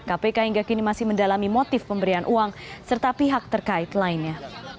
kpk hingga kini masih mendalami motif pemberian uang serta pihak terkait lainnya